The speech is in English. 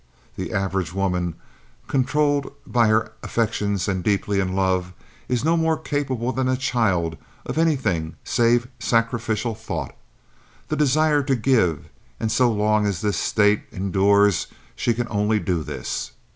The average woman, controlled by her affections and deeply in love, is no more capable than a child of anything save sacrificial thought—the desire to give; and so long as this state endures, she can only do this.